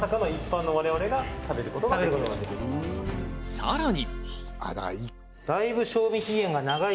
さらに。